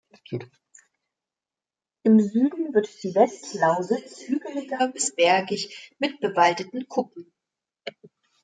Im Süden wird die Westlausitz hügeliger bis bergig mit bewaldeten Kuppen.